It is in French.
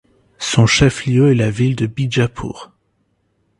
Son chef-lieu est la ville de Bijapur.